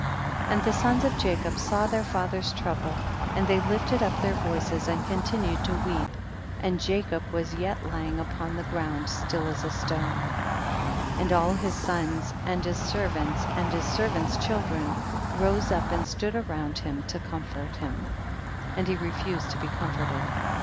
33. And the sons of Jacob saw their father's trouble, and they lifted up their voices and continued to weep, and Jacob was yet lying upon the ground still as a stone. THE BOOK OF JASHER. 13r 34. And all his sons and his ser vants and his servants' children rose up and stood round him to comfort him, and he refused to be comforted.